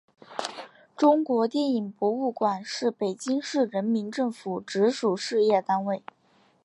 中国电影博物馆是北京市人民政府直属事业单位。